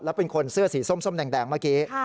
แล้วเป็นคนเสื้อสีส้มแดงเมื่อกี้